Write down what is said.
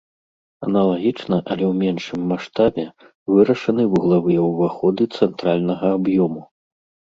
Аналагічна, але ў меншым маштабе, вырашаны вуглавыя ўваходы цэнтральнага аб'ёму.